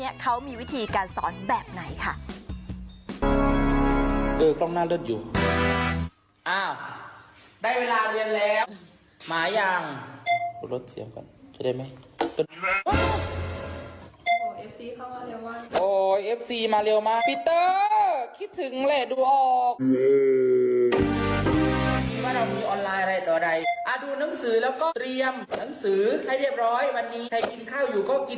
นับสือแล้วก็พรียานับมือสือให้เรียบร้อยวันนี้ใครกินข้าวอยู่ก็กินด้วยดูด้วยไป